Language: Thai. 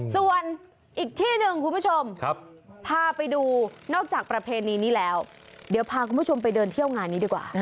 ส่วนอีกที่หนึ่งคุณผู้ชมพาไปดูนอกจากประเพณีนี้แล้วเดี๋ยวพาคุณผู้ชมไปเดินเที่ยวงานนี้ดีกว่า